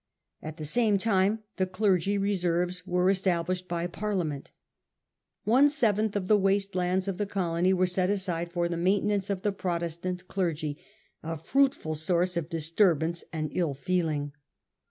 At the same time the clergy reserves were established by Parlia ment. One seventh of the waste lands of the colony was set aside for the maintenance of the Protestant clergy, a fruitful source of disturbance and ill feeling.